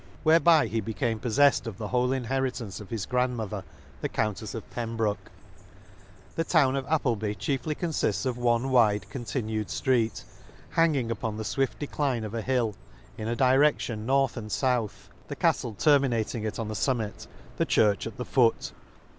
Whereby he became poffeft of the whole inheritance of his grandmother the Coun tefs of Pembroke *♦ The town of Appleby chiefly confifts of one wide continued flreet, hanging upon the fwift decline of a hill, in a direction north and fouth ; the caftle terminating it on the fummit, the church at the foot.